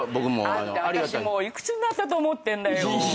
あんた私幾つになったと思ってんだよ。